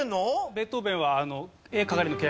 ベートーヴェンは。